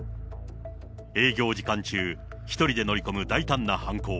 営業時間中、１人で乗り込む大胆な犯行。